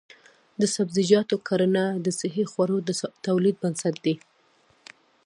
د سبزیجاتو کرنه د صحي خوړو د تولید بنسټ دی.